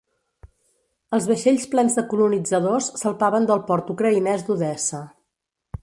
Els vaixells plens de colonitzadors salpaven del port ucraïnès d'Odessa.